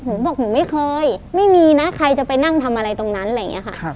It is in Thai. หนูบอกหนูไม่เคยไม่มีนะใครจะไปนั่งทำอะไรตรงนั้นอะไรอย่างนี้ค่ะ